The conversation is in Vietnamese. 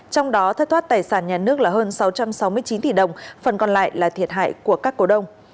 trong đó thất thoát tài sản nhà nước là hơn sáu trăm sáu mươi chín tỷ đồng phần còn lại là thiệt hại của các cổ đông